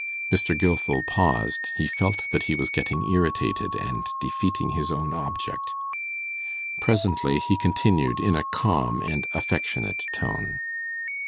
Mr. Gilfil paused. He felt that he was getting irritated, and defeating his own object. Presently he continued in a calm and affectionate tone.